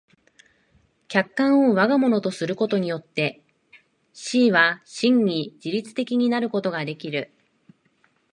客観を我が物とすることによって思惟は真に自律的になることができる。